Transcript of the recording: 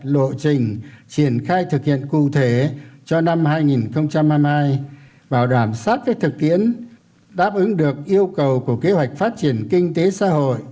lộ trình triển khai thực hiện cụ thể cho năm hai nghìn hai mươi hai bảo đảm sát với thực tiến đáp ứng được yêu cầu của kế hoạch phát triển kinh tế xã hội